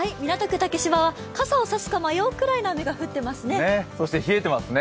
竹芝は傘を差すか迷うくらいの雨が降っていますね。